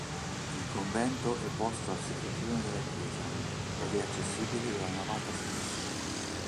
Il convento è posto a settentrione della chiesa ed è accessibile dalla navata sinistra.